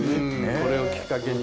これをきっかけに。